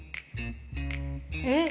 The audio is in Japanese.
・えっ？